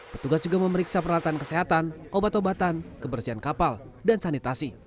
petugas juga memeriksa peralatan kesehatan obat obatan kebersihan kapal dan sanitasi